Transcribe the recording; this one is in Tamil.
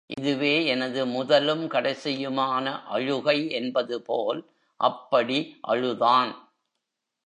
இதுவே எனது முதலும் கடைசியுமான அழுகை என்பது போல் அப்படி அழுதான்.